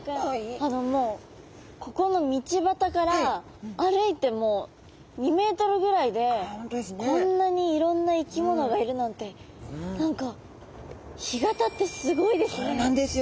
あのもうここの道端から歩いてもう２ｍぐらいでこんなにいろんな生き物がいるなんて何かそうなんですよ。